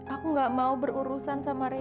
aku nggak mau berurusan sama reni